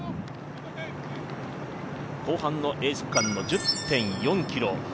後半のエース区間の１０．４ｋｍ。